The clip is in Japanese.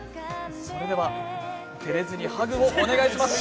それでは照れずにハグをお願いします。